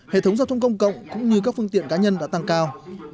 hệ thống giao thông công cộng cũng như các phương tiện cá nhân đã tăng cao